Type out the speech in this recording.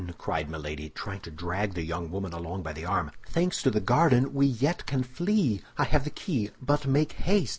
cried Milady, trying to drag the young woman along by the arm. "Thanks to the garden, we yet can flee; I have the key, but make haste!